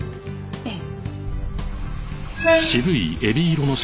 ええ。